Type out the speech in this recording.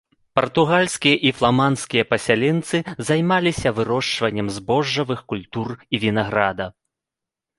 Партугальскія і фламандскія пасяленцы займаліся вырошчваннем збожжавых культур і вінаграда.